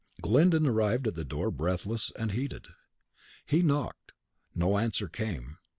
Glyndon arrived at the door breathless and heated. He knocked; no answer came.